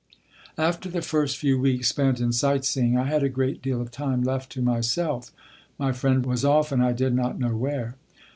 After the first few weeks spent in sight seeing I had a great deal of time left to myself; my friend was often I did not know where.